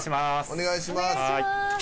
お願いします。